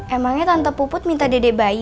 emangnya tante puput minta dede bayi